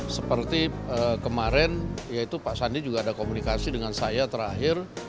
seperti kemarin yaitu pak sandi juga ada komunikasi dengan saya terakhir